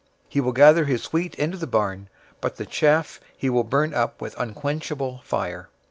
He will gather his wheat into the barn, but the chaff he will burn up with unquenchable fire."